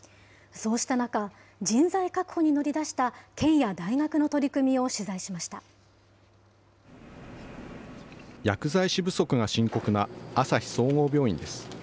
そうした中、人材確保に乗り出した県や大学の取り組みを取材薬剤師不足が深刻なあさひ総合病院です。